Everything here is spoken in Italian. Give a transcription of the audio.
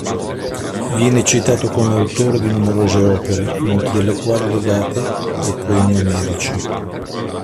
Viene citato come autore di numerose opere, molte delle quali legate ai poemi omerici.